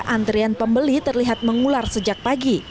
antrian pembeli terlihat mengular sejak pagi